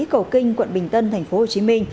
cầu kinh quận bình tân tp hcm